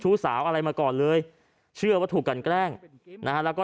สาวอะไรมาก่อนเลยเชื่อว่าถูกกันแกล้งนะฮะแล้วก็